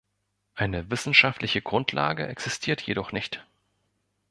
Eine wissenschaftliche Grundlage existiert jedoch nicht.